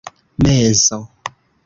menso